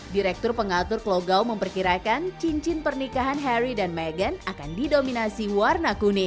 direktur pengatur klogao memperkirakan cincin pernikahan harry dan meghan akan didominasi warna kuning